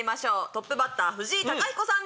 トップバッター藤井貴彦さんです。